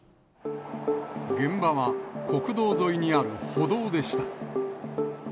現場は、国道沿いにある歩道でした。